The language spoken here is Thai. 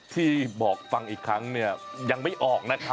ที่บอกฟังอีกครั้งเนี่ยยังไม่ออกนะครับ